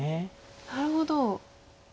なるほど。